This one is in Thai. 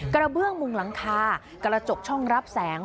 กระเบื้องมุงหลังคากระจกช่องรับแสง